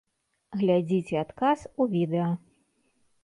Глядзіце адказ у відэа.